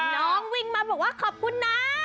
น้องวิ่งมาบอกว่าขอบคุณนะ